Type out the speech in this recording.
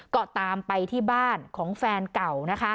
ก็ตามไปที่บ้านของแฟนเก่านะคะ